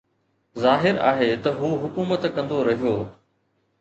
ظاهر آهي ته هو حڪومت ڪندو رهيو